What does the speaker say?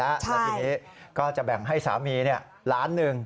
แล้วทีนี้ก็จะแบ่งให้สามีล้านหนึ่ง